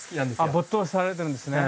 あ没頭されてるんですね。